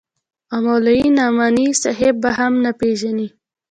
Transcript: او مولوي نعماني صاحب به هم نه پېژنې.